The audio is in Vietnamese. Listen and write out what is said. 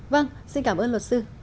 vâng xin cảm ơn luật sư